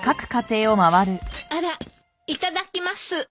あらいただきます。